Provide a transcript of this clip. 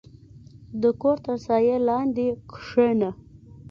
• د کور تر سایې لاندې کښېنه.